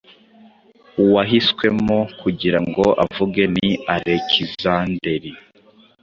Uwahiswemo kugira ngo avuge ni Alekizanderi,